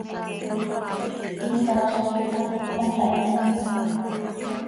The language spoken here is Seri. Him caazi quij ihpsaticpan taa him miih.